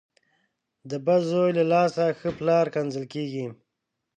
د بد زوی له لاسه ښه پلار کنځل کېږي.